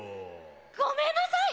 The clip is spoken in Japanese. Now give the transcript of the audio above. ごめんなさい！